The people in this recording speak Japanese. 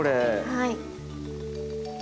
はい。